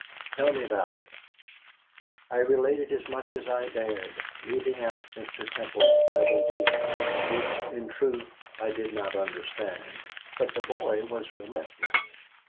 "Tell me about it." I related as much as I dared, leaving out Mr. Temple's double dealing; which, in truth, I did not understand. But the boy was relentless.